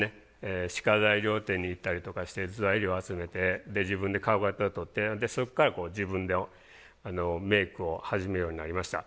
歯科材料店に行ったりとかして材料を集めて自分で顔型取ってそこから自分でメイクを始めるようになりました。